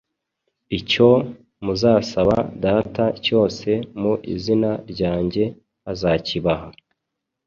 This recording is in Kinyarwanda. Icyo muzasaba Data cyose mu izina ryanjye azakibaha.